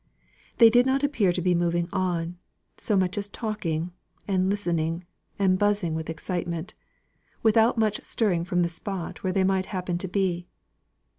They did not appear to be moving on, so much as talking, and listening, and buzzing with excitement without much stirring from the spot where they might happen to be.